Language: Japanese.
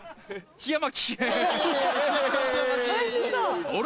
冷や巻。